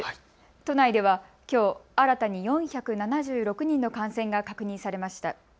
都内ではきょう、新たに４７６人の感染が確認されました。